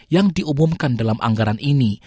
yang diumumkan dalam anggaran ini